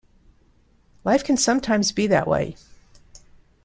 Life can sometimes be that way.